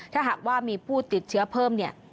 ถ้าหากว่ามีผู้ติดเชื้อเพิ่มเนี่ย